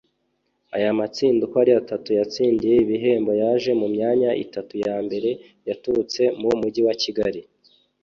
Aya matsinda uko ari atatu yatsindiye ibihembo yaje mu myanya itatu ya mbere yaturutse mu mujyi wa Kigali